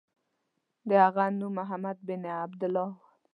د هغه نوم محمد بن عبدالله و.